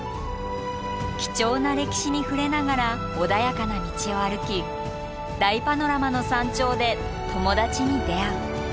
貴重な歴史に触れながら穏やかな道を歩き大パノラマの山頂で友達に出会う。